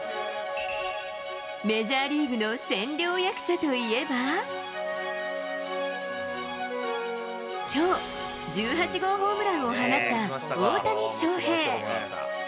メジャーリーグの千両役者といえば、きょう、１８号ホームランを放った大谷翔平。